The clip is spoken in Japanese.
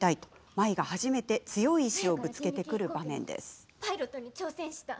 舞が初めて強い意志をぶつけてくる場面です。